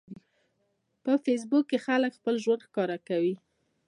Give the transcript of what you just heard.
په فېسبوک کې خلک خپل ژوند ښکاره کوي.